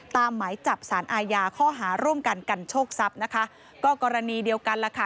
หมายจับสารอาญาข้อหาร่วมกันกันโชคทรัพย์นะคะก็กรณีเดียวกันล่ะค่ะ